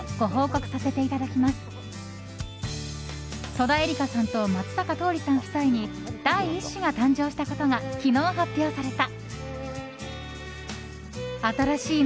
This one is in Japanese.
戸田恵梨香さんと松坂桃李さん夫妻に第１子が誕生したことが昨日、発表された。